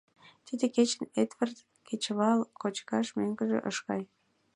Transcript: Тиде кечын Эдвард кечывал кочкаш мӧҥгыжӧ ыш кай.